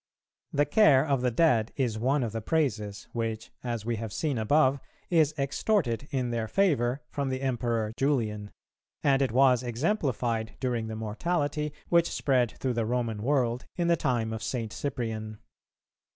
The care of the dead is one of the praises which, as we have seen above, is extorted in their favour from the Emperor Julian; and it was exemplified during the mortality which spread through the Roman world in the time of St. Cyprian.